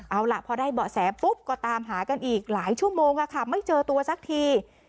เอาล่ะพอได้เบาะแสปุ๊บก็ตามหากันอีกหลายชั่วโมงไม่เจอตัวสักที